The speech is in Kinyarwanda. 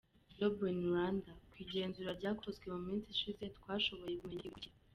Job in Rwanda : Ku igenzurwa ryakozwe mu minsi ishize, twashoboye kumenya ibi bikurikira :.